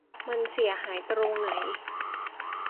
มันเสียหายตรงไหน ?